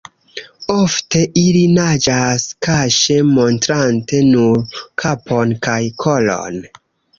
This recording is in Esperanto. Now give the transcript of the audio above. Ofte ili naĝas kaŝe montrante nur kapon kaj kolon.